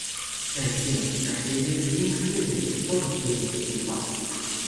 Traición, tragedia y un crimen del que todos pueden ser culpables.